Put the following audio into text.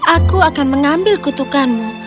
aku akan mengambil kutukanmu